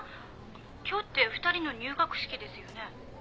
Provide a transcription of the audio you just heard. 今日って２人の入学式ですよね。